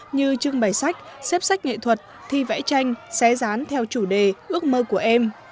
như trưng bày sách xếp sách nghệ thuật thi vẽ tranh xé rán theo chủ đề ước mơ của em